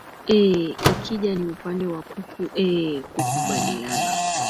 eeh ikija ni upande wa kuku eeh kukubaliana